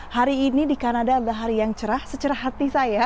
hari ini di kanada ada hari yang cerah secerah hati saya